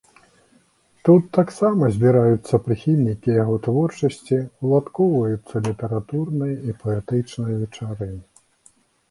Тут таксама збіраюцца прыхільнікі яго творчасці, уладкоўваюцца літаратурныя і паэтычныя вечары.